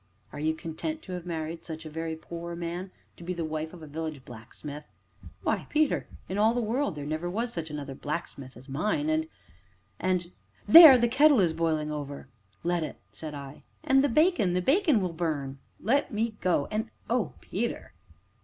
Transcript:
"Are you content to have married such a very poor man to be the wife of a village blacksmith?" "Why, Peter in all the world there never was such another blacksmith as mine, and and there! the kettle is boiling over " "Let it!" said I. "And the bacon the bacon will burn let me go, and oh, Peter!"